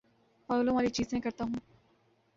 پاگلوں والی چیزیں کرتا ہوں